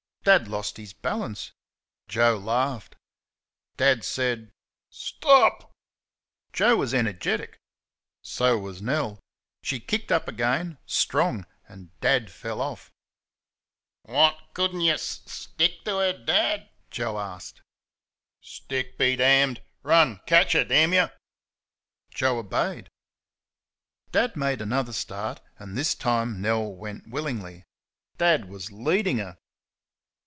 Dad lost his balance. Joe laughed. Dad said, "St o op!" Joe was energetic. So was Nell. She kicked up again strong and Dad fell off. "Wot, could'n' y' s s s stick to 'er, Dad?" Joe asked. "STICK BE DAMNED run CATCH her! D N y'!" Joe obeyed. Dad made another start, and this time Nell went willingly. Dad was leading her!